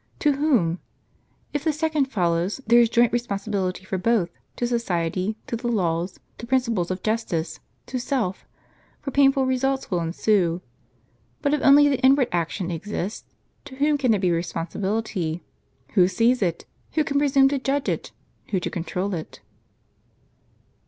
To whom? If the second follow, there is joint responsibility for both, to society, to the laws, to principles of justice, to self; for painful results will ensue. But if only the inward action exist, to whom can there be responsibility? Who sees it? "Who can presume to judge it? Who to control it?